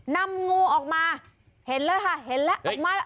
นำงูออกมาเห็นแล้วค่ะเห็นแล้วออกมาแล้ว